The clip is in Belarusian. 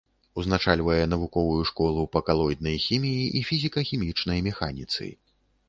Узначальвае навуковую школу па калоіднай хіміі і фізіка-хімічнай механіцы.